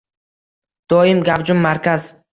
Doim gavjum markaz